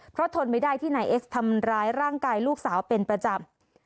เพราะทนไม่ได้ที่นายเอ็กซ์ทำร้ายร่างกายลูกสาวเป็นประจำ